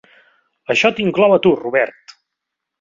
Això t'inclou a tu, Robert.